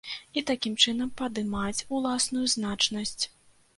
І такім чынам падымаць уласную значнасць.